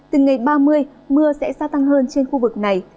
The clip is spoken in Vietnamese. từ ngày ba mươi mưa sẽ gia tăng hơn trên khu vực này